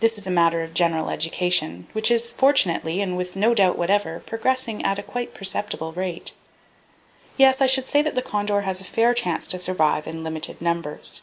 This is a matter of general education, which is, fortunately, and with no doubt whatever, progressing at a quite perceptible rate. "Yes; I should say that the condor has a fair chance to survive, in limited numbers.